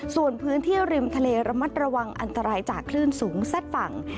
ส่วนพื้นที่ริมทะเลระมัดระวังอันตรายจากคลื่นสูงซัดฝั่ง